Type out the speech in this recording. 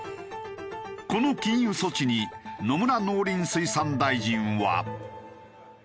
この禁輸措置に野村農林水産大臣は。